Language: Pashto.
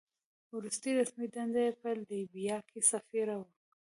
وروستۍ رسمي دنده یې په لیبیا کې سفیر وه.